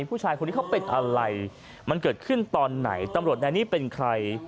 ผู้ชายคนนี้เขาเป็นอะไรมันเกิดขึ้นตอนไหนตำรวจนายนี้เป็นใคร